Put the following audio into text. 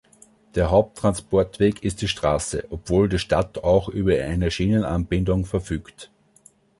Der Haupttransportweg ist die Straße, obwohl die Stadt auch über eine Schienenanbindung verfügt.